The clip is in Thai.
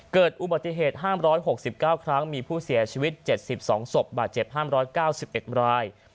เกิดอุบัติเหตุห้ามร้อย๖๙ครั้งมีผู้เสียชีวิต๗๒ศพบาดเจ็บห้ามร้อย๙๑บราย